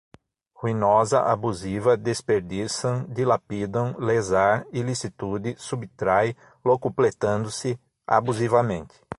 ruinosa, abusiva, desperdiçam, dilapidam, lesar, ilicitude, subtrai, locupletando-se, abusivamente